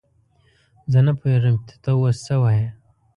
زه نه پوهېږم چې ته اوس څه وايې!